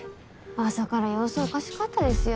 朝から様子おかしかったですよ